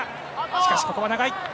しかしここは長い。